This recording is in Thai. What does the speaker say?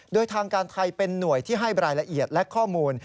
โดยทางการไทยเป็นหน่วยที่ให้รายละเอียดและข้อมูล